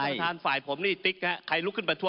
มีครับท่านฝ่ายผมนี่ติ๊กครับ